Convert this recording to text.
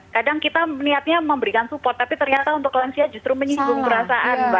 kadang kita niatnya memberikan support tapi ternyata untuk lansia justru menyinggung perasaan mbak